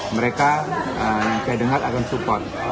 mereka saya dengar akan support